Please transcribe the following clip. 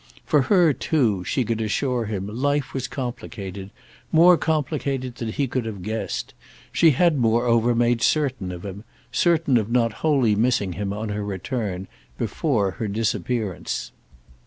For her too, she could assure him, life was complicated—more complicated than he could have guessed; she had moreover made certain of him—certain of not wholly missing him on her return—before her disappearance.